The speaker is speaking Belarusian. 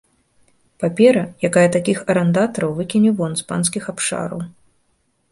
Папера, якая такіх арандатараў выкіне вон з панскіх абшараў.